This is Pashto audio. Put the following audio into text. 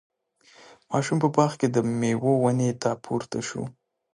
ماشوم په باغ کې د میوو ونې ته پورته شو.